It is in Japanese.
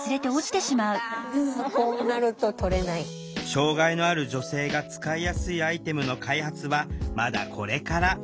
障害のある女性が使いやすいアイテムの開発はまだこれから。